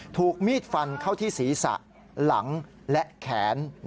ถูกมีดฟันเข้าที่ศีรษะหลังและแขน